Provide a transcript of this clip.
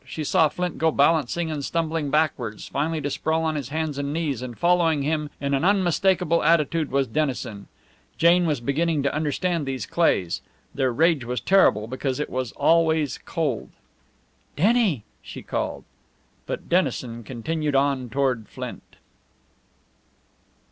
She saw Flint go balancing and stumbling backward, finally to sprawl on his hands and knees, and following him, in an unmistakable attitude, was Dennison. Jane was beginning to understand these Cleighs; their rage was terrible because it was always cold. "Denny!" she called. But Dennison continued on toward Flint.